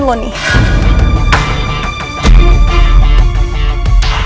masuk ke dalam